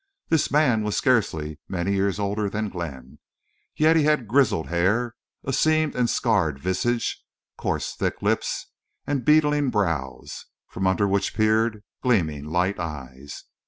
This man was scarcely many years older than Glenn, yet he had grizzled hair, a seamed and scarred visage, coarse, thick lips, and beetling brows, from under which peered gleaming light eyes.